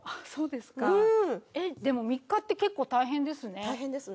そうですかでも３日って結構大変ですね。